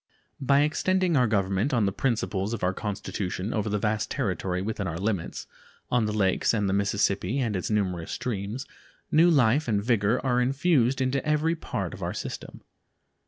By extending our Government on the principles of our Constitution over the vast territory within our limits, on the Lakes and the Mississippi and its numerous streams, new life and vigor are infused into every part of our system.